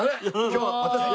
今日は私が。